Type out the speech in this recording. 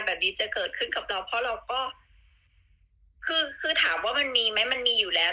แบบนี้จะเกิดขึ้นกับเราเพราะเราก็คือคือถามว่ามันมีไหมมันมีอยู่แล้ว